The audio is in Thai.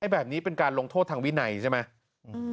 แบบนี้เป็นการลงโทษทางวินัยใช่ไหม